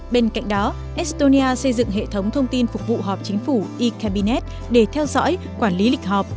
bên cạnh đó estonia xây dựng hệ thống thông tin phục vụ họp chính phủ e cabinet để theo dõi quản lý lịch họp